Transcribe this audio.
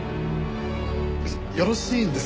よろしいんですか？